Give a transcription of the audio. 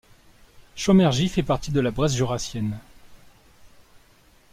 Chaumergy fait partie de la Bresse Jurassienne.